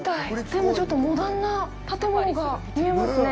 でも、ちょっとモダンな建物が見えますね。